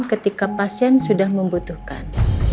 ketika pasien sudah membutuhkan